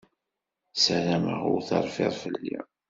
Ssarameɣ ur terfiḍ fell-i.